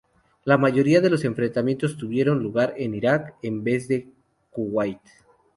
La mayoría de los enfrentamientos tuvieron lugar en Irak, en vez de Kuwait.